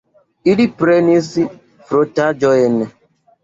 Ili prenis frotaĵojn.